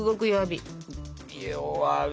弱火。